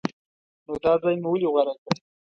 نو دا ځای مو ولې غوره کړ؟